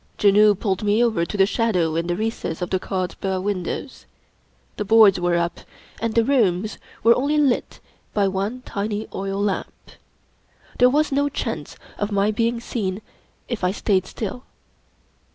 Janoo pulled me over to the shadow in the recess of the carved bow windows. The boards were up, and the rooms were only lit by one tiny oil lamp. There was no chance of my being seen if I stayed still.